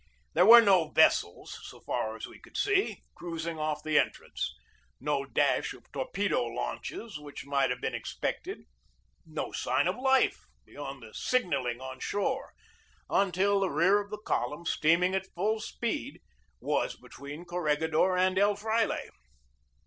There were no vessels, so far as we could see, cruis ing off the entrance, no dash of torpedo launches which might have been expected, no sign of life be yond the signalling on shore until the rear of the column, steaming at full speed, was between Cor regidor and El Fraile.